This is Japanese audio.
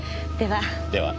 では。